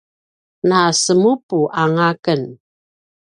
nasemupuanga aken